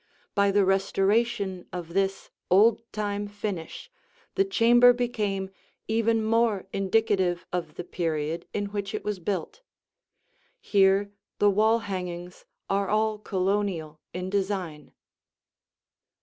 By the restoration of this old time finish, the chamber became even more indicative of the period in which it was built. Here the wall hangings are all Colonial in design.